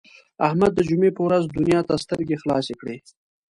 احمد د جمعې په ورځ دنیا ته سترګې خلاصې کړې.